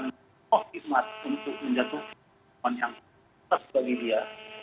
susah untuk menjatuhkan hukuman yang sesuai bagi dia